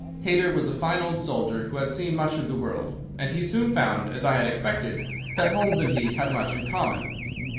Hayter was a fine old soldier who had seen much of the world, and he soon found, as I had expected, that Holmes and he had much in common.